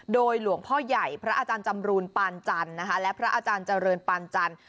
โดยหลวงพ่อใหญ่พระอาจารย์จำรูนปานจันทร์นะคะและพระอาจารย์เจริญปานจันทร์